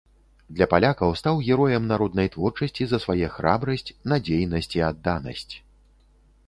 Для палякаў стаў героем народнай творчасці за свае храбрасць, надзейнасць і адданасць.